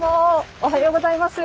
おはようございます。